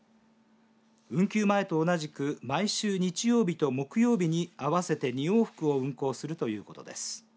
運休前と同じく毎週日曜日と木曜日に合わせて２往復を運航するということです。